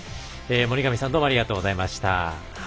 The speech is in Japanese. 森上さんどうもありがとうございました。